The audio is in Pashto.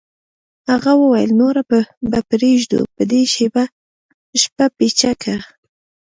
هغه وویل نوره به پرېږدو په دې شپه پیچکه